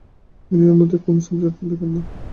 তিনি এর মধ্যে কোনো সারবস্তুই দেখেননা।